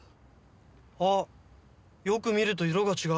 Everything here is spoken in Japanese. あっよく見ると色が違う。